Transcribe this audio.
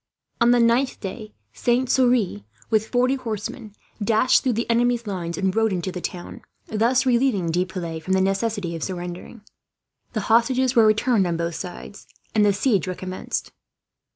On the ninth day Saint Surin, with forty horsemen, dashed through the enemy's lines and rode into the town; thus relieving De Piles from the necessity of surrendering. The hostages were returned on both sides, and the siege recommenced.